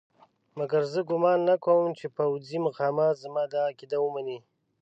مګر زه ګومان نه کوم چې پوځي مقامات زما دا عقیده ومني.